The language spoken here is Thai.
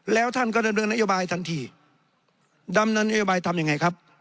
แล้วท่านก็ดำเนินนโยบายทันทีดำเนินนโยบายทำยังไงครับ